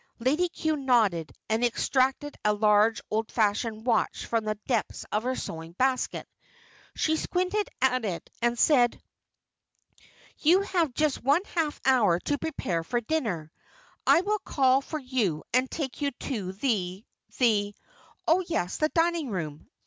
Lady Cue nodded and extracted a large, old fashioned watch from the depths of her sewing basket. She squinted at it, and said, "You have just one half hour to prepare for dinner. I will call for you and take you to the the oh yes, the dining room.